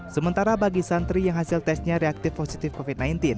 sementara bagi santri yang hasil tesnya reaktif positif covid sembilan belas